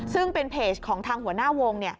ซึ่งเป็นเพจของทางหัวหน้าวง